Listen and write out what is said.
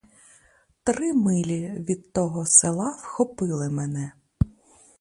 Три милі від того села вхопили мене.